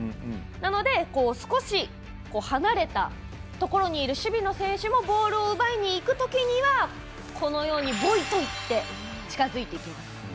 なので少し離れたところにいる選手もボールを奪いにいくときには「ボイ」と言って近づいていきます。